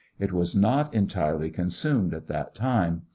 It was not entirely 15 consumed at that time.